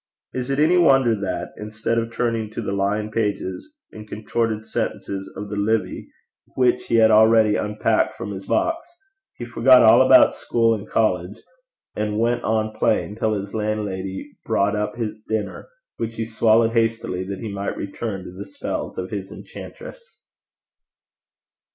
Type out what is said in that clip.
Is it any wonder that, instead of turning to the lying pages and contorted sentences of the Livy which he had already unpacked from his box, he forgot all about school, and college, and bursary, and went on playing till his landlady brought up his dinner, which he swallowed hastily that he might return to the spells of his enchantress!